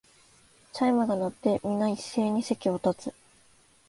チャイムが鳴って、みな一斉に席を立つ